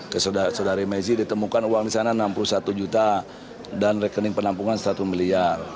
ke saudari mezi ditemukan uang di sana rp enam puluh satu juta dan rekening penampungan satu miliar